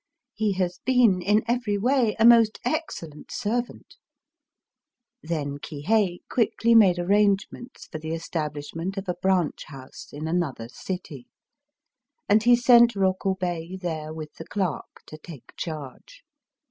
He has been, in every way, a most excellent servant." Digitized by Googk IKIRYO 35 Then Kihei quickly made arrangements for the establishment of a branch house in another city; and he sent Rokubei there with the clerk, to take charge.